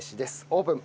オープン！